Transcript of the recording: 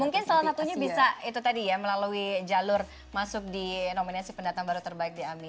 mungkin salah satunya bisa itu tadi ya melalui jalur masuk di nominasi pendatang baru terbaik di ami